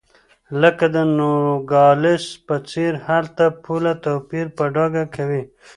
لکه د نوګالس په څېر هلته پوله توپیر په ډاګه کوي.